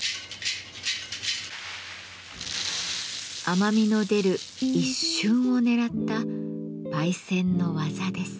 甘みの出る一瞬を狙った焙煎の技です。